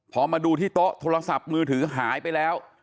พอมาดูที่โต๊ะโทรศัพท์มือถือหายไปแล้ว